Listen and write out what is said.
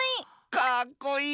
かっこいい！